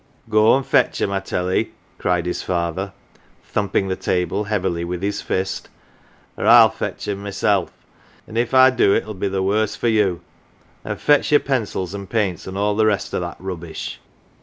"Go, an* fetch 'em I tell 'ee," cried his father, thumping the table heavily with his fist, " or Til fetch ""em] myself, an" 1 if I do it'll be the worse for you. An' fetch yourpencils an' paints an' all the rest o' that rubbish."